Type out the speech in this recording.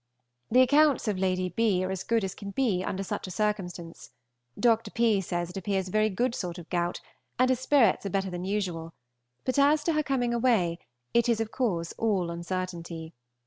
The accounts of Lady B. are as good as can be under such a circumstance; Dr. P. says it appears a good sort of gout, and her spirits are better than usual, but as to her coming away, it is of course all uncertainty.